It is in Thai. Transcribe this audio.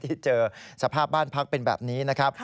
ที่เจอสภาพบ้านพักเป็นแบบนี้นะครับ